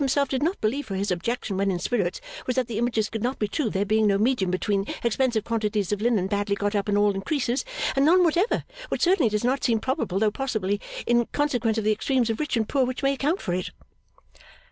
himself did not believe for his objection when in spirits was that the images could not be true there being no medium between expensive quantities of linen badly got up and all in creases and none whatever, which certainly does not seem probable though perhaps in consequence of the extremes of rich and poor which may account for it.